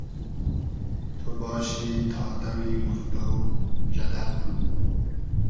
تو باشی تا دئمی موردۉ جئدئل نوم